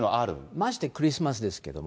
ましてクリスマスですけどね。